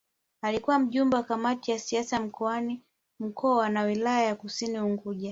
Alikuwa Mjumbe wa Kamati za Siasa Mkoa na Wilaya ya Kusini Unguja